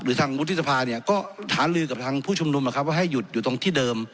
ทางวุฒิสภาเนี่ยก็หาลือกับทางผู้ชุมนุมนะครับว่าให้หยุดอยู่ตรงที่เดิม